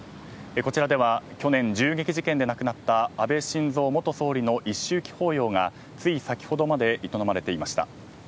こちらでは去年、銃撃事件で亡くなった安倍晋三元総理の一周忌法要が、つい先ほどまで営まれていました。